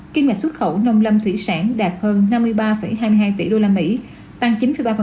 kim ngạch xuất khẩu nông lâm thủy sản đạt hơn năm mươi ba hai mươi hai tỷ usd tăng chín ba